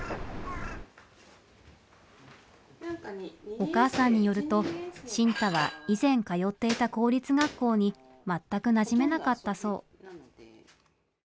お母さんによると新太は以前通っていた公立学校に全くなじめなかったそう。